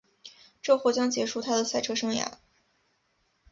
这或将结束她的赛车生涯。